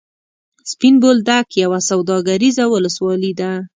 سپین بولدک یوه سوداګریزه ولسوالي ده.